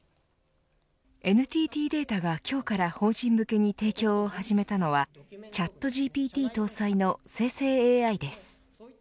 ＮＴＴデータが今日から法人向けに提供を始めたのはチャットＧＰＴ搭載の生成ＡＩです。